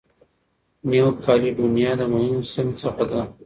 نیو کالېډونیا د مهمو سیمو څخه ده.